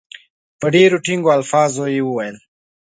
په ډېرو ټینګو الفاظو وویل.